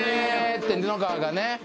って布川がね。